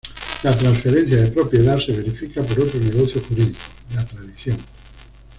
La transferencia de propiedad se verifica por otro negocio jurídico, la tradición.